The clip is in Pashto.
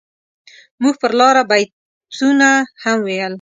موږ پر لاره بيتونه هم ويل.